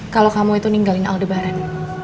kalau kamu itu ninggalin al debaran